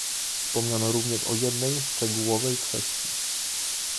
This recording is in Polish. Wspomniano również o jednej szczegółowej kwestii